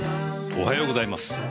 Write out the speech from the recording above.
おはようございます。